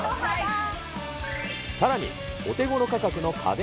さらにお手頃価格の家電